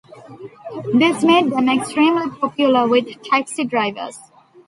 This made them extremely popular with taxi drivers.